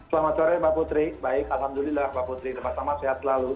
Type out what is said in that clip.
selamat sore mbak putri baik alhamdulillah mbak putri sama sama sehat selalu